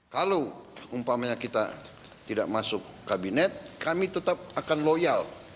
kalau umpamanya kita tidak masuk kabinet kami tetap akan loyal